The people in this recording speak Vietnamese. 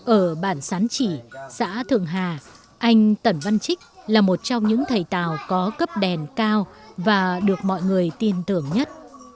ở bản sán chỉ xã thượng hà anh tần văn trích là một trong những thầy tào có cấp đèn cao và được mọi người tin tưởng nhất